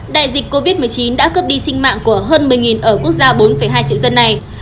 đại dịch covid một mươi chín đã cướp đi sinh mạng của hơn một mươi ở quốc gia bốn hai triệu dân này